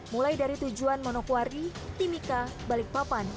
mulai dari tujuan manokwari timika balikpapan